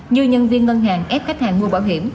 như nhân viên ngân hàng ép khách hàng mua bảo hiểm